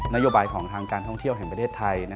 นโยบายของทางการท่องเที่ยวแห่งประเทศไทย